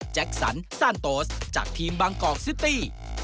สันซานโตสจากทีมบางกอกซิตี้